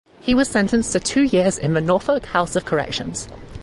He was sentenced to two years in the Norfolk House of Corrections.